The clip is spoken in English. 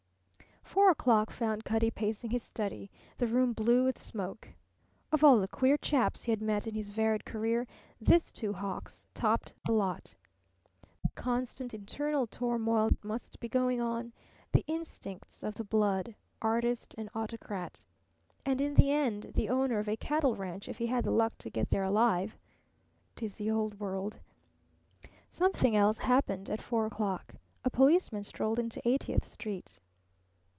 Four o'clock found Cutty pacing his study, the room blue with smoke. Of all the queer chaps he had met in his varied career this Two Hawks topped the lot. The constant internal turmoil that must be going on, the instincts of the blood artist and autocrat! And in the end, the owner of a cattle ranch, if he had the luck to get there alive! Dizzy old world. Something else happened at four o'clock. A policeman strolled into Eightieth Street.